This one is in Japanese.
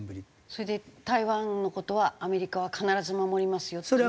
それで台湾の事はアメリカは必ず守りますよっていう。